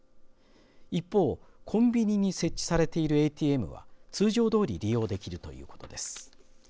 一方、コンビニに設置されているＡＴＭは通常どおり利用できるということです。